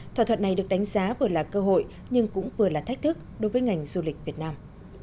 thỏa thuận này được đánh giá vừa là cơ hội nhưng cũng vừa là thách thức đối với ngành du lịch việt nam